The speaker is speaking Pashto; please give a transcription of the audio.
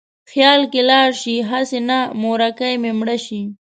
خیال کې لاړ شې: هسې نه مورکۍ مې مړه شي